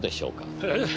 ええ。